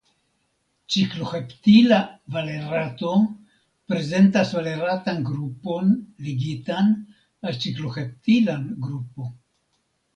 Cikloheptila valerato prezentas valeratan grupon ligitan al cikloheptilan grupo.